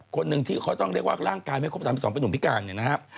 คนหนึ่งที่เขาต้องเรียกว่าร่างกายไม่ครบ๓๒เป็นหนุ่มพิการเนี่ยนะครับ